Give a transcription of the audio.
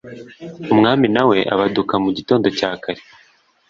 umwami na we abaduka mu gitondo cya kare